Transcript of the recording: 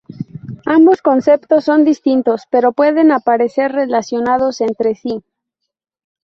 Ambos conceptos son distintos, pero pueden aparecer relacionados entre sí.